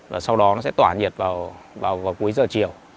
và sau đó nó sẽ tỏa nhiệt vào cuối giờ chiều